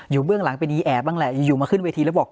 เบื้องหลังเป็นอีแอบบ้างแหละอยู่มาขึ้นเวทีแล้วบอก